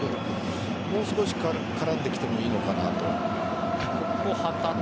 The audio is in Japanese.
もう少し絡んできてもいいのかなと。